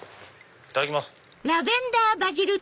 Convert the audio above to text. いただきます。